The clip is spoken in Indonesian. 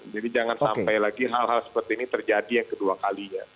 jadi jangan sampai lagi hal hal seperti ini terjadi yang kedua kalinya